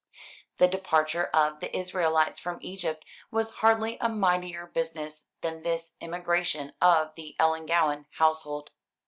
The departure of the Israelites from Egypt was hardly a mightier business than this emigration of the Ellangowan household.